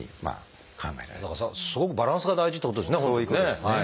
すごくバランスが大事ってことですね。